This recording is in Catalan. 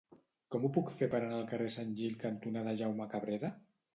Com ho puc fer per anar al carrer Sant Gil cantonada Jaume Cabrera?